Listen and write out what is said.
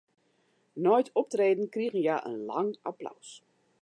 Nei it optreden krigen hja in lang applaus.